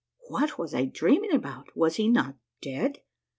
What was I dream ing about? Was he not dead?